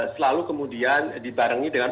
selalu kemudian dibarengi dengan